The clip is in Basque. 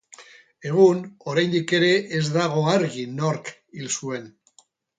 Egun, oraindik ere ez dago argi nork hil zuen.